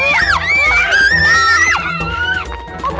jangan gitu dong pak